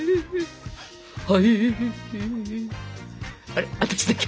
あれ私だけ？